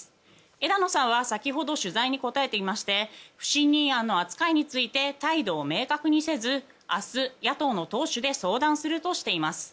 枝野さんは先ほど取材に答えていまして不信任案の扱いに対して態度を明確にせず明日、野党の党首で相談するとしています。